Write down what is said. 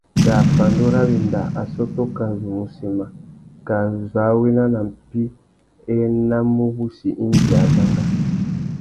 Kā pandú râ wenda, assôtô kā zu mù sema, kā zu a wena nà mpí, a enamú wussi indi a danga.